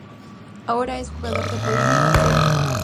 Ahora es un jugador de Polonia Varsovia.